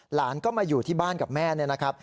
หลานก็มาอยู่ที่บ้านกับแม่เนี่ยนะครับ